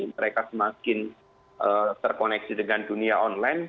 mereka semakin terkoneksi dengan dunia online